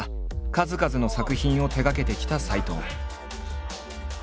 数々の作品を手がけてきた斎藤。